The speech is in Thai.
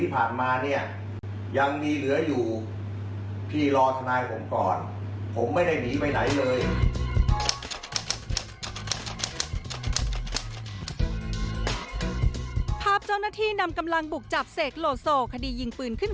ผมขอหมายค้นก็ไม่ให้ดูหมายค้น